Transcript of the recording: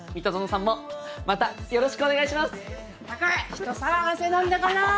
人騒がせなんだから！